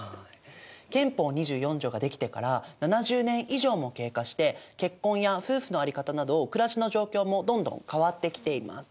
憲法２４条が出来てから７０年以上も経過して結婚や夫婦の在り方など暮らしの状況もどんどん変わってきています。